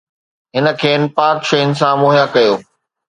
هن کين پاڪ شين سان مهيا ڪيو